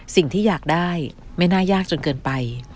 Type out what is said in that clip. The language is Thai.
สิ่งที่อยากได้ไม่น่ายากจนเกินไป